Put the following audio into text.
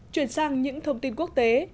chuyển sang những thông tin quốc tế